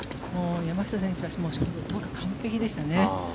山下選手は完璧でしたね。